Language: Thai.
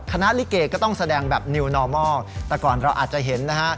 คณะลิเกย์ก็ต้องแสดงแบบแต่ก่อนเราอาจจะเห็นนะฮะ